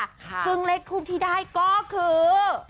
ซึ่งเลขทูปที่ได้ก็คือ